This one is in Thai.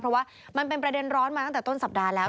เพราะว่ามันเป็นประเด็นร้อนมาตั้งแต่ต้นสัปดาห์แล้ว